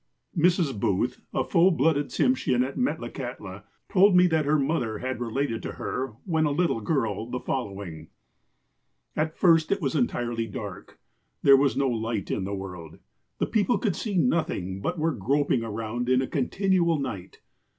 Mrs. Booth, a full blooded Tsimshean at Metlakahtla, told me that her mother had related to her, when a little girl, the following : "At first it was entirely dark. There was no light in the world. The people could see nothing, but were grop ing around in a continual night.